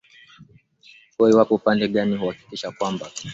kuwa ipo pande gani kuhakikisha kwamba